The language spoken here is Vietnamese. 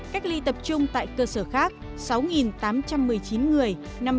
cách ly tập trung tại cơ sở khác sáu tám trăm một mươi chín người năm mươi chín